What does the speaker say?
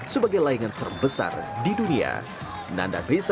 sebagai layangan terbesar di dunia